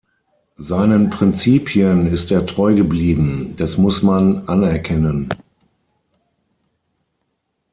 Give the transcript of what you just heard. Seinen Prinzipien ist er treu geblieben, das muss man anerkennen.